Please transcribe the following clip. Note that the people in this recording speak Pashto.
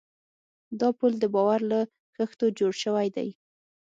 دا پُل د باور له خښتو جوړ شوی دی.